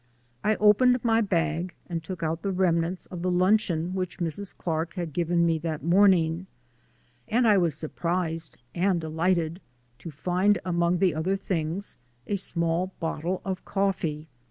I opened my bag and took out the remnants of the luncheon which Mrs. Clark had given me that morning; and I was surprised and delighted to find, among the other things, a small bottle of coffee.